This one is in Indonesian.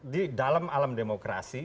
di dalam alam demokrasi